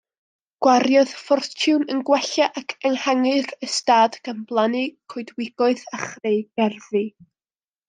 Gwariodd ffortiwn yn gwella ac ehangu'r ystâd gan blannu coedwigoedd a chreu gerddi.